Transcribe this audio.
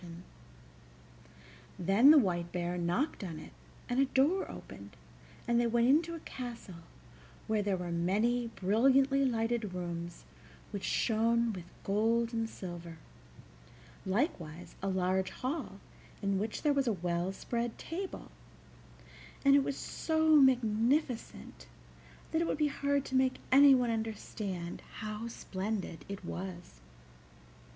Then the White Bear knocked on it, and a door opened, and they went into a castle where there were many brilliantly lighted rooms which shone with gold and silver, likewise a large hall in which there was a well spread table, and it was so magnificent that it would be hard to make anyone understand how splendid it was.